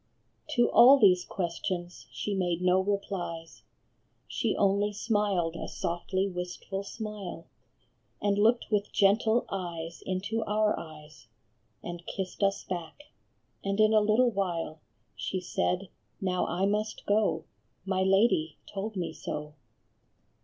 To all these questions she made no replies : She only smiled a softly wistful smile, ONLY A DREAM. 75 And looked with gentle eyes into our eyes, And kissed us back ; and in a little while She said, " Now I must go ; my Lady told me so."